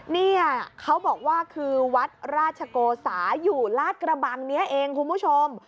เนี่ยเขาบอกว่าคือวัดราชโกสาอยู่ลาดกระบังนี้เองคุณผู้ชม